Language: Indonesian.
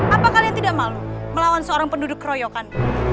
apa kalian tidak malu melawan seorang penduduk keroyokan